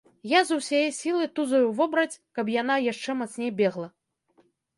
Я з усяе сілы тузаю вобраць, каб яна яшчэ мацней бегла.